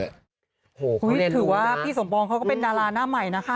เฮ้าเท่นดูนะอุ้ยถือว่าพี่สมปองเขาเป็นดาราหน้าใหม่นะคะ